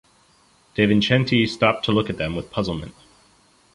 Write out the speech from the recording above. De Vincenti stopped to look at them with puzzlement.